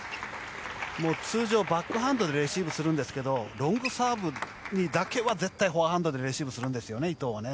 通常バックハンドでレシーブするんですがロングサーブにだけは絶対フォアハンドでレシーブするんです、伊藤は。